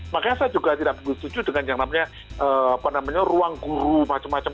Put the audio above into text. makanya saya juga tidak setuju dengan yang namanya ruang guru macam macam